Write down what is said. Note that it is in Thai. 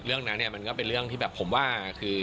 เรื่องนั้นเนี่ยมันก็เป็นเรื่องที่แบบผมว่าคือ